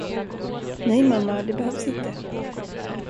Nej, mamma, det behövs inte.